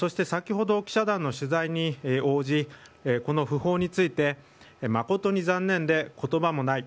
そして先ほど記者団の取材に応じこの訃報について誠に残念で言葉もない。